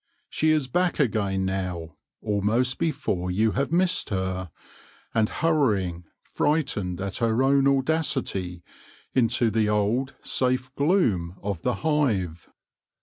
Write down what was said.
She is back again now, almost before you have missed her, and hurrying, frightened at her own audacity, into the old safe gloom of the hive.